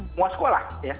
semua sekolah ya